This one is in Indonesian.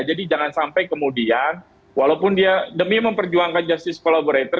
jadi jangan sampai kemudian walaupun dia demi memperjuangkan justice collaborator